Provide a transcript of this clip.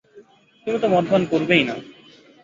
তুমি তো মদপান করবেই না।